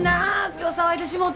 今日騒いでしもうてさっき。